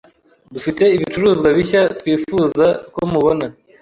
Dufite ibicuruzwa bishya twifuza ko mubona.